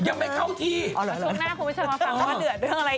ช่วงหน้าคุณไม่ใช่มาฟังว่าเหลือเรื่องอะไร